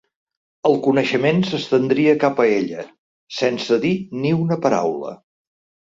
El coneixement s'estendria cap a ella, sense dir ni una paraula.